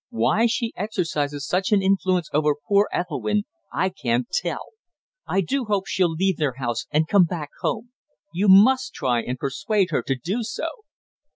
Why she exercises such an influence over poor Ethelwynn, I can't tell. I do hope she'll leave their house and come back home. You must try and persuade her to do so."